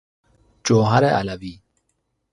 جوهر علوی